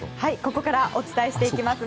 ここからお伝えしていきます。